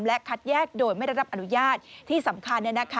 และคัดแยกโดยไม่ได้รับอนุญาตที่สำคัญ